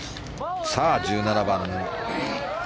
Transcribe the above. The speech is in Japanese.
さあ、１７番。